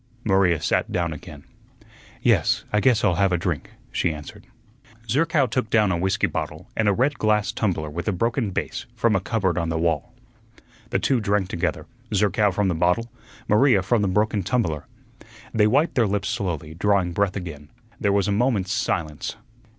Maria sat down again. "Yes, I guess I'll have a drink," she answered. Zerkow took down a whiskey bottle and a red glass tumbler with a broken base from a cupboard on the wall. The two drank together, Zerkow from the bottle, Maria from the broken tumbler. They wiped their lips slowly, drawing breath again. There was a moment's silence.